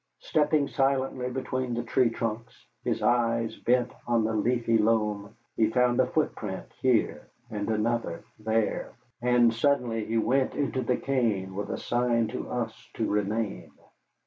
Stepping silently between the tree trunks, his eyes bent on the leafy loam, he found a footprint here and another there, and suddenly he went into the cane with a sign to us to remain.